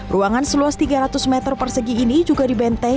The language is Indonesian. ruangan seluas tiga ratus meter persegi ini juga dibenteng